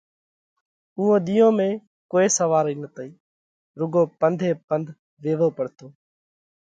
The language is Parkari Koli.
اُوئون ۮِيئون ۾ ڪوئي سوارئِي نتئِي، رُوڳو پنڌ ئي پنڌ ويوو تو۔